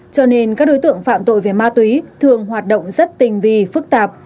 cho nên các đối tượng phạm tội về ma túy thường hoạt động rất tình vi phức tạp